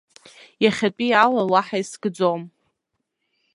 Иахьатәиала уаҳа искӡом.